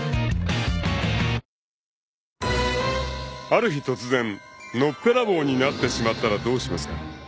［ある日突然のっぺらぼうになってしまったらどうしますか］